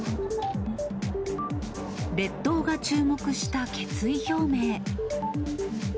列島が注目した決意表明。